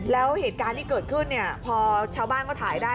แล้วเหตุการณ์ที่เกิดขึ้นเนี่ยพอชาวบ้านก็ถ่ายได้